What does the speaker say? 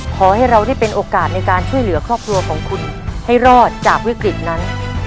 ขอให้เราได้เป็นโอกาสในการช่วยเหลือครอบครัวของคุณให้รอดจากวิกฤตนั้น